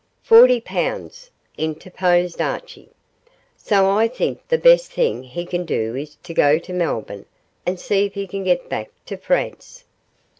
'Forty pounds,' interposed Archie. 'So I think the best thing he can do is to go to Melbourne, and see if he can get back to France.